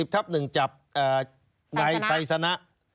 ๖๐ทับ๑จับในถ่ายใสสระ